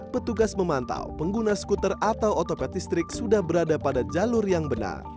petugas memantau pengguna skuter atau otopet listrik sudah berada pada jalur yang benar